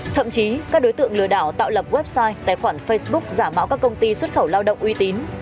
thậm chí các đối tượng lừa đảo tạo lập website tài khoản facebook giả mạo các công ty xuất khẩu lao động uy tín